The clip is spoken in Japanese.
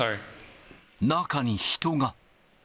中に人が。